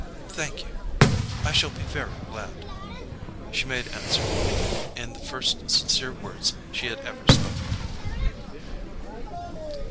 "Thank you—I shall be very glad," she made answer, in the first sincere words she had ever spoken to him.